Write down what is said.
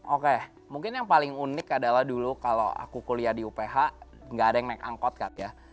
oke mungkin yang paling unik adalah dulu kalau aku kuliah di uph nggak ada yang naik angkot kat ya